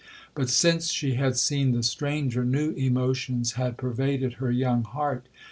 'But since she had seen the stranger, new emotions had pervaded her young heart.